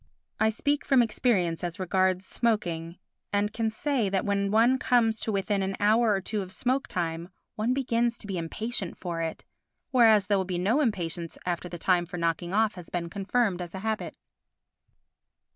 I speak from experience as regards smoking and can say that when one comes to within an hour or two of smoke time one begins to be impatient for it, whereas there will be no impatience after the time for knocking off has been confirmed as a habit.